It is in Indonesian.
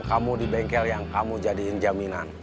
kamu di bengkel yang kamu jadiin jaminan